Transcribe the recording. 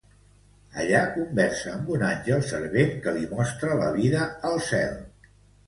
Allí conversa amb un àngel servent que li mostra la vida al cel.